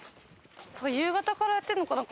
夕方からやってるのかな？